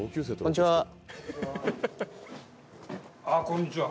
こんにちは。